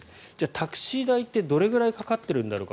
タクシー代って、どれくらいかかっているんだろうか。